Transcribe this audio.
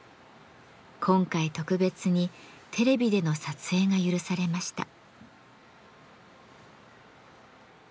今回特別にテレビでの撮影が許されました。